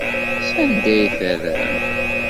Sanda ay t-terram?